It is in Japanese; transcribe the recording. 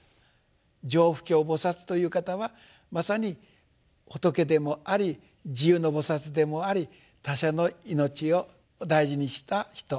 常不軽菩薩という方はまさに仏でもあり地涌の菩薩でもあり他者の命を大事にした人。